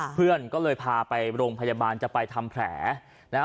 เพื่อนก็เลยพาไปโรงพยาบาลจะไปทำแผลนะฮะ